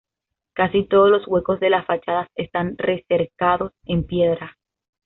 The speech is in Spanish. Casi todos los huecos de las fachadas están recercados en piedra.